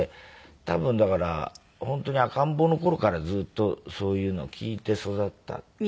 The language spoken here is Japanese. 多分だから本当に赤ん坊の頃からずっとそういうのを聞いて育ったっていう。